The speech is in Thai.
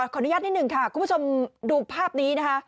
อนุญาตนิดหนึ่งค่ะคุณผู้ชมดูภาพนี้นะคะ